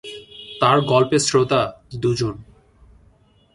তার গল্পের শ্রোতা দু’জন।